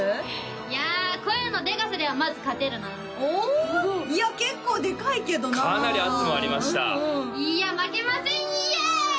いや声のでかさではまず勝てるなおおいや結構でかいけどなかなり圧もありましたいや負けませんＹＯ！